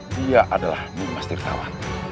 dia adalah nimas tirtawan